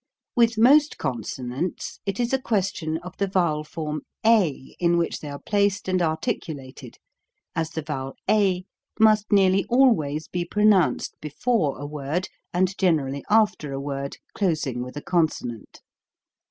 With most consonants it is a question of the vowel form a in which they are placed and articulated, as the vowel a must nearly always be pronounced before a word and generally after a word closing with a consonant.